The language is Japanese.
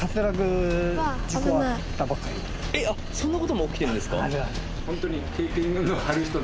あっそんな事も起きてるんですか？